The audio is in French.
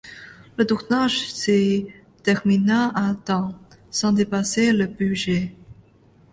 Le tournage s'y termina à temps, sans dépasser le budget.